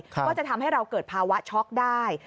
ก็จะทำให้เราเกิดภาวะช็อกได้